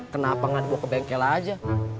kenapa gak dibawa ke bengkel aja